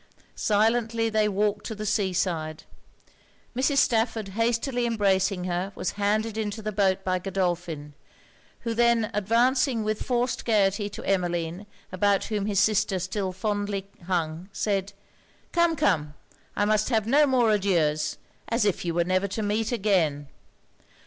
Silently they walked to the sea side. Mrs. Stafford hastily embracing her, was handed into the boat by Godolphin; who then advancing with forced gaiety to Emmeline, about whom his sister still fondly hung, said 'Come, come, I must have no more adieus as if you were never to meet again.'